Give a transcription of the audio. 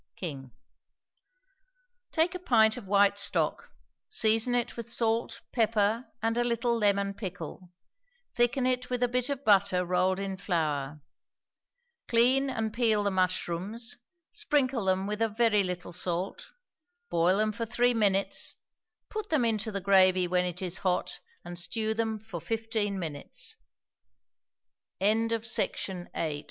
KING. Take a pint of white stock; season it with salt, pepper, and a little lemon pickle, thicken it with a bit of butter rolled in flour; clean and peel the mushrooms, sprinkle them with a very little salt, boil them for three minutes; put them into the gravy when it is hot, and stew the